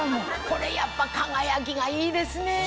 これやっぱ輝きがいいですね。